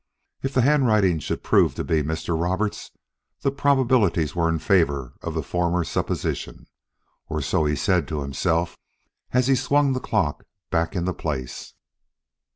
If the handwriting should prove to be Mr. Roberts', the probabilities were in favor of the former supposition or so he said to himself, as he swung the clock back into place.